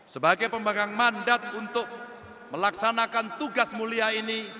sebagai pembagang mandat untuk melaksanakan tugas mulia ini